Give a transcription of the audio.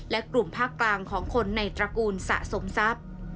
และกลุ่มภาคกลางของคนในตระกูลสะสมทรัพย์